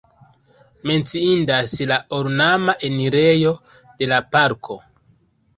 Menciindas la ornama enirejo de la parko.